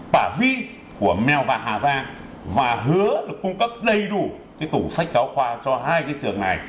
tả vi của meo và hà giang và hứa được cung cấp đầy đủ cái tủ sách giáo khoa cho hai cái trường này